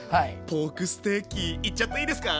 ポークステーキいっちゃっていいですか？